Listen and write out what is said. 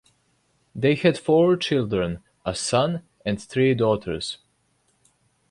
They had four children, a son and three daughters.